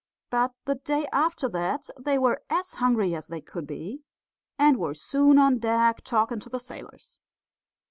But the day after that they were as hungry as they could be, and were soon on deck talking to the sailors.